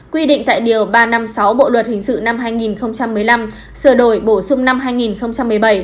quy định tại điều ba trăm năm mươi sáu bộ luật hình sự năm hai nghìn một mươi năm sửa đổi bổ sung năm hai nghìn một mươi bảy